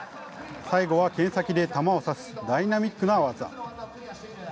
最後はけん先で玉を刺すダイナミックな技。